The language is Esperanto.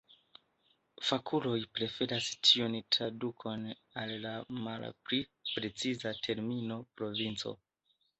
Fakuloj preferas tiun tradukon al la malpli preciza termino provinco.